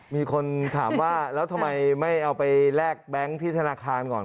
มีคนถามว่าแล้วทำไมไม่เอาไปแลกแบงค์ที่ธนาคารก่อน